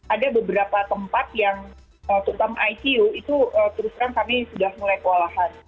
ada beberapa tempat yang terutama icu itu terus terang kami sudah mulai kewalahan